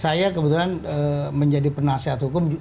saya kebetulan menjadi penasihat hukum